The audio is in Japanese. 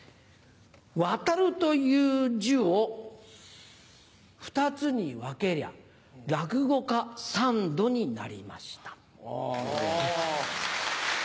渡るという字を２つに分けりゃ落語家三度になりました。